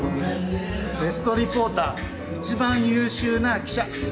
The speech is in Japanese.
ベストリポーター一番優秀な記者。